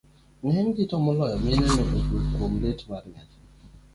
ng'enygi, to moloyo mine ne okwe kuom lit mar nyathi